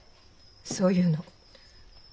そういうの。